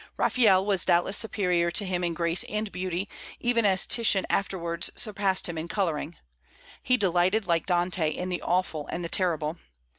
Raphael was doubtless superior to him in grace and beauty, even as Titian afterwards surpassed him in coloring. He delighted, like Dante, in the awful and the terrible.